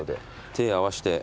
手合わして。